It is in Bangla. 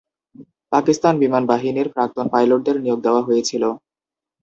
পাকিস্তান বিমান বাহিনীর প্রাক্তন পাইলটদের নিয়োগ দেওয়া হয়েছিল।